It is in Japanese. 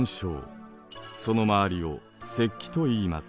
その周りを「石基」といいます。